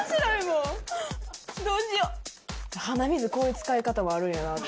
鼻水、こういう使い方もあるんやなって。